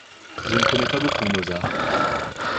Je ne connais pas beaucoup Mozart.